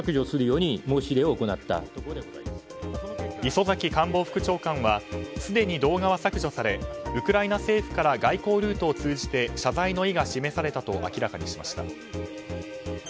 磯崎官房副長官はすでに動画は削除されウクライナ政府から外交ルートを通じて謝罪の意が示されたと明らかにしました。